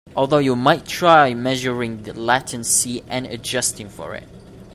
Although you might try measuring the latency and adjusting for it.